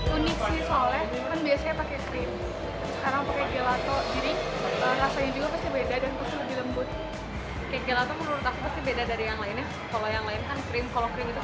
unik sih soalnya kan biasanya pakai krim sekarang pakai gelato jadi rasanya juga pasti beda dan lebih lembut